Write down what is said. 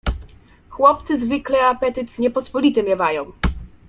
"Chłopcy zwykle apetyt niepospolity miewają."